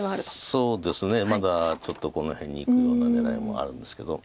そうですねまだちょっとこの辺にいくような狙いもあるんですけど。